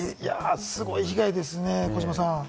すごい被害ですね、児嶋さん。